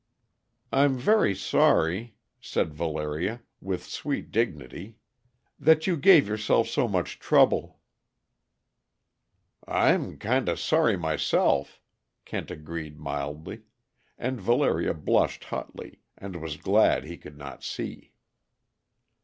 "I'm very sorry," said Valeria, with sweet dignity, "that you gave yourself so much trouble " "I'm kinda sorry myself," Kent agreed mildly, and Valeria blushed hotly, and was glad he could not see.